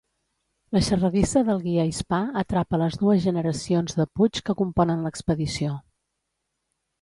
La xerradissa del guia hispà atrapa les dues generacions de Puigs que componen l'expedició.